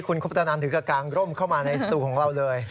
คุณคุปตนันถือกระกางร่มเข้ามาในสตูของเราเลย